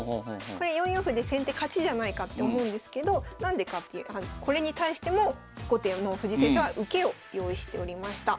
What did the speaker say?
これ４四歩で先手勝ちじゃないかって思うんですけど何でかっていうこれに対しても後手の藤井先生は受けを用意しておりました。